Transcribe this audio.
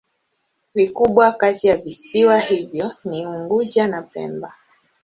Vikubwa kati ya visiwa hivyo ni Unguja na Pemba.